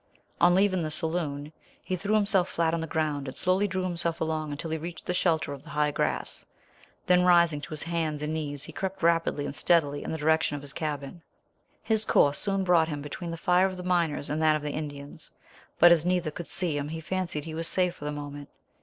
On leaving the saloon he threw himself flat on the ground, and slowly drew himself along until he reached the shelter of the high grass. Then rising to his hands and knees he crept rapidly and steadily in the direction of his cabin. His course soon brought him between the fire of the miners and that of the Indians, but as neither could see him he fancied he was safe for the moment.